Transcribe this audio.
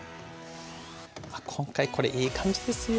あっ今回これいい感じですよ。